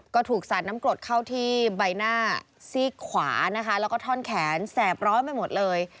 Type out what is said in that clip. ก็ถูกสาดน้ำกรดเข้าที่ใบหน้าซีกขวานะคะแล้วก็ท่อนแขนแสบร้อนไปหมดเลย